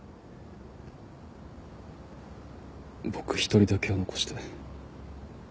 僕一人だけを残して。